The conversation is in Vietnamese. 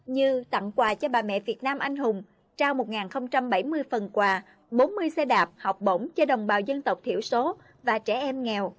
như tặng quà cho bà mẹ việt nam anh hùng trao một bảy mươi phần quà bốn mươi xe đạp học bổng cho đồng bào dân tộc thiểu số và trẻ em nghèo